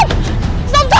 berhenti tidak tidak